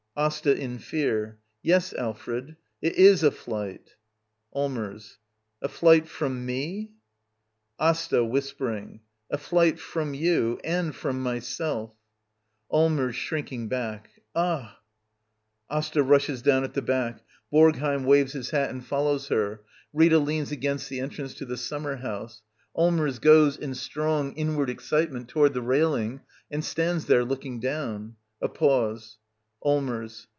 Asta.* [In fear.] Yes, Alfred — it is a flight. Allmers. A flight — from mef ^^/'AsTA. [Whispering.] A flight from you — and from myself! Allmers. [Shrinking back.] Ah —! [Asta rushes down at the back. Borgheim waves 96 Digitized by VjOOQIC Actni. 4& LITTLE EYOLF his hat and follows her. Rita leans against the en trance to the summer house. Allmers goes, in strong, inward excitement, toward the railing, and stands there looking down. A pause.] Allmers.